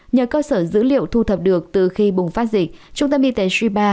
nhờ cơ sở dữ liệu thu thập được từ khi bùng phát dịch trung tâm y tế siba